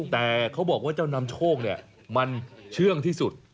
แต่เขาบอกว่าเจ้านำโชคเนี่ยมันเชื่องที่สุด